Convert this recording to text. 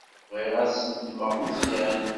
Bɣiɣ ad snetmeɣ Meẓyan.